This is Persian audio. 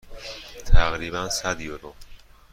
تقریبا صد یورو.